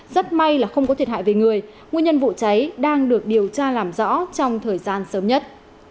rất may là không có thiệt hại về người nguyên nhân vụ cháy đang được điều tra làm rõ trong thời gian sớm nhất